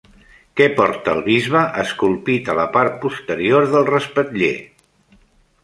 Què porta el bisbe esculpit a la part posterior del respatller?